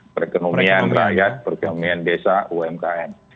perekonomian rakyat perekonomian desa umkm